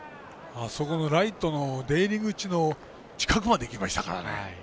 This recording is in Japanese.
あそこのライトの出入り口の近くまでいきましたからね。